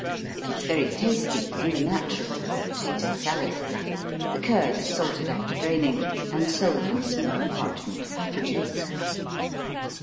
It is very tasty, and a natural with potato salad. The curd is salted after draining and sold in small parchment packages.